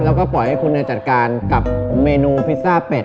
แล้วก็ปล่อยให้คุณจัดการกับเมนูพิซซ่าเป็ด